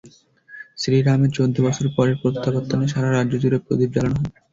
শ্রী রামের চৌদ্দ বছর পরের প্রত্যাবর্তনে সারা রাজ্য জুড়ে প্রদীপ জ্বালানো হয়।